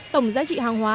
tổng giá trị hàng hóa